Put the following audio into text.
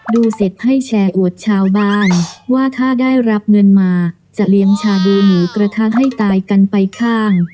ดูเสร็จให้แชร์อวดชาวบ้านว่าถ้าได้รับเงินมาจะเลี้ยงชาดูหมูกระทะให้ตายกันไปข้าง